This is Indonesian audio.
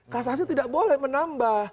kasasi tidak boleh menambah